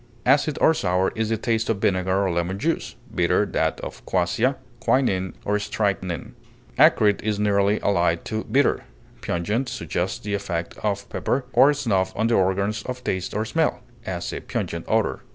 Acid or sour is the taste of vinegar or lemon juice; bitter that of quassia, quinine, or strychnine. Acrid is nearly allied to bitter. Pungent suggests the effect of pepper or snuff on the organs of taste or smell; as, a pungent odor.